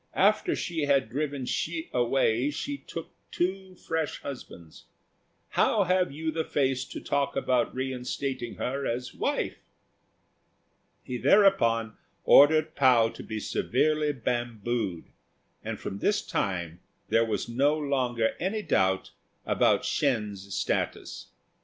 After she had driven Hsi away, she took two fresh husbands. How have you the face to talk about reinstating her as wife?" He thereupon ordered Pao to be severely bambooed, and from this time there was no longer any doubt about Shên's status.